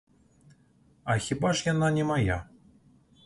А хіба ж яна не мая?